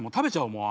もう。